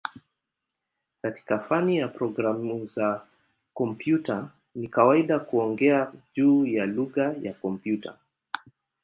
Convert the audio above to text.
Katika fani ya programu za kompyuta ni kawaida kuongea juu ya "lugha ya kompyuta".